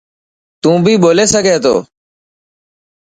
تون بي ٻولي سگھي ٿو.